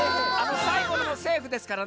さいごのもセーフですからね。